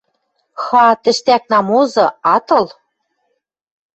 — Ха! Тӹштӓк намозы — атыл?